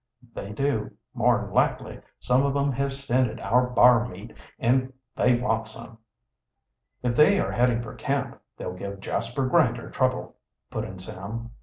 "They do. More'n likely some of 'em have scented our b'ar meat and they want some." "If they are heading for camp, they'll give Jasper Grinder trouble," put in Sam.